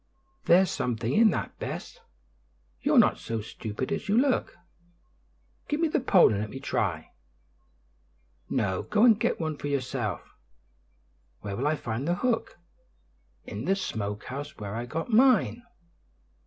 "There's something in that, Bess; you're not so stupid as you look. Give me the pole and let me try." "No, go and get one for yourself." "Where will I find the hook?" "In the smoke house, where I got mine."